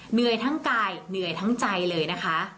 เหนื่อยทั้งกายเหนื่อยทั้งใจเลยนะคะ